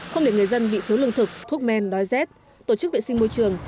không để người dân bị thiếu lương thực thuốc men đói rét tổ chức vệ sinh môi trường